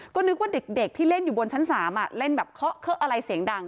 ก็นึกว่าเด็กที่เล่นอยู่บนชั้น๓เล่นแบบเคาะเคาะอะไรเสียงดัง